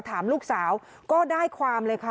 ถามลูกสาวก็ได้ความเลยค่ะ